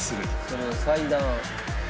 それを裁断。